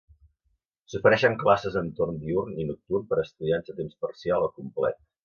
S'ofereixen classes en torn diürn i nocturn per a estudiants a temps parcial o complet.